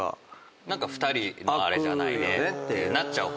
何か２人のあれじゃないねってなっちゃうから。